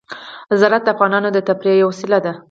زراعت د افغانانو د تفریح یوه وسیله ده.